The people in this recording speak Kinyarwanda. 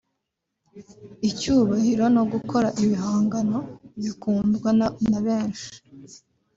icyubahiro no gukora ibihangano bikundwa na benshi